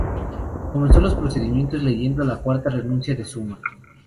Comenzó los procedimientos leyendo la carta de renuncia de Zuma.